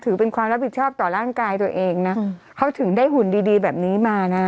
ถือเป็นความรับผิดชอบต่อร่างกายตัวเองนะเขาถึงได้หุ่นดีดีแบบนี้มานะ